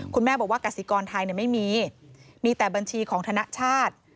คุณแม่บอกว่ากสิกรไทยไม่มีมีแต่บัญชีของธนชาติ